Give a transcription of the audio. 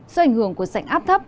do ảnh hưởng của sảnh áp thấp